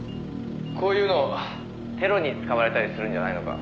「こういうのテロに使われたりするんじゃないのか？」